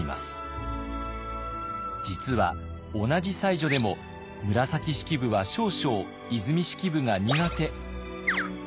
実は同じ才女でも紫式部は少々和泉式部が苦手。